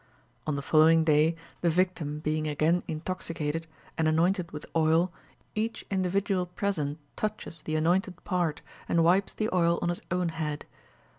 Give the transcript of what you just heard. On the following day, the victim being again intoxicated, and anointed with oil, each individual present touches the anointed part, and wipes the oil on his own head.